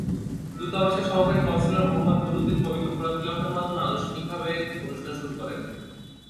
দূতাবাসের সহকারী কনস্যুলার মুহাম্মেদ নুরুদ্দিন পবিত্র কোরআন তিলাওয়াতের মাধ্যমে আনুষ্ঠানিকভাবে অনুষ্ঠান শুরু করেন।